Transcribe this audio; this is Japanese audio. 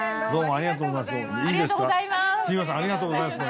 ありがとうございますどうも。